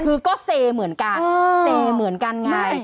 คือก็เซเหมือนกันเซเหมือนกันไง